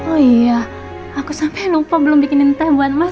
oh iya aku sampai lupa belum bikinin teh buat mas